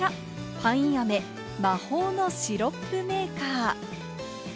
パインアメ魔法のシロップメーカー。